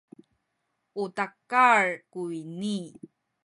u takal kuyni